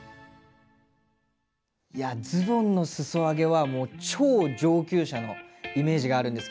いやズボンのすそ上げはもう超上級者のイメージがあるんですけど。